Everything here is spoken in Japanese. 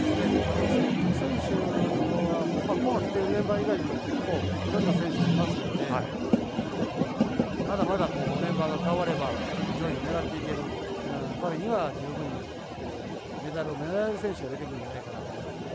知的選手は今回、来てるメンバー以外にも結構、いろんな選手がいますのでまだまだメンバーが代われば上位を狙っていけるパリには十分にメダルを狙える選手が出てくるんじゃないかと思いますね。